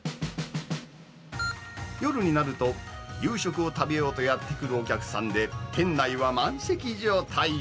夜になると、夕食を食べようとやって来るお客さんで、店内は満席状態。